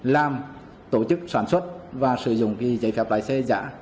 làm tổ chức sản xuất và sử dụng giấy phép lái xe giả